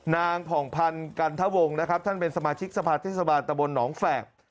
นางผ่องพันธ์กันทะวงนะครับท่านเป็นสมาชิกสมภาษณ์ที่สมบันตะบลหนองแฝก